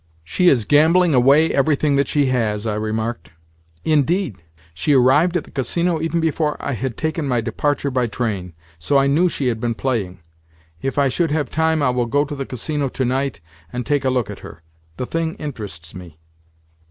"She is gambling away everything that she has," I remarked. "Indeed? She arrived at the Casino even before I had taken my departure by train, so I knew she had been playing. If I should have time I will go to the Casino to night, and take a look at her. The thing interests me."